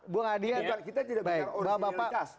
bung adian kita tidak punya orisinilitas